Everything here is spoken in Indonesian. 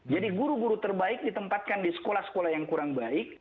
jadi guru guru terbaik ditempatkan di sekolah sekolah yang kurang baik